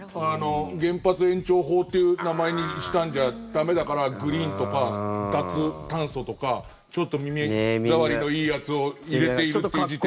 原発延長法という名前にしたんじゃ駄目だからグリーンとか脱炭素とかちょっと耳ざわりのいいやつを入れているっていう時点で。